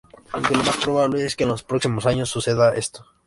Aunque lo más probable es que en los próximos años suceda esto.